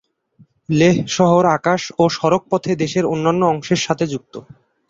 লেহ শহর আকাশ ও সড়কপথে দেশের অন্যান্য অংশের সাথে যুক্ত।